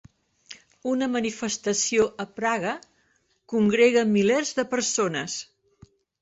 Una manifestació a Praga congrega milers de persones